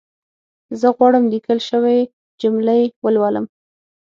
زه غواړم ليکل شوې جملي ولولم